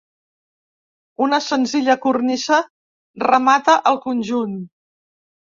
Una senzilla cornisa remata el conjunt.